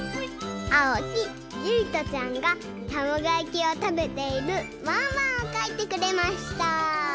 あおきゆいとちゃんがたまごやきをたべているワンワンをかいてくれました！